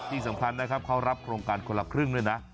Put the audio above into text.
ที่สำคัญนะครับเขารับโครงการคนละครึ่งด้วยนะ